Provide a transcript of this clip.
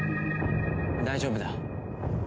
大丈夫だ。